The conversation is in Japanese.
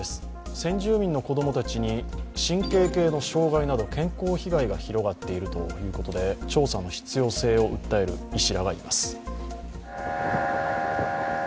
先住民の子供たちに神経系の障害など健康被害が広がっているということで、調査の必要性を訴える医師らがいます。